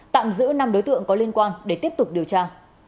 tạm giữ năm đối tượng có liên quan để tiếp tục điều tra